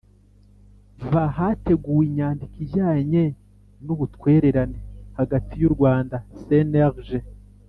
V hateguwe inyandiko ijyanye n ubutwererane hagati y u rwanda cnlg